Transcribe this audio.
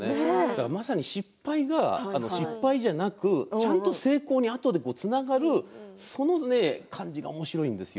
まさに失敗が失敗じゃなくちゃんと成功に、あとでつながるその感じがおもしろいんですよ。